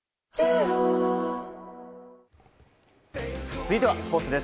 続いてはスポーツです。